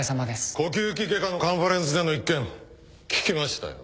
呼吸器外科のカンファレンスでの一件聞きましたよ。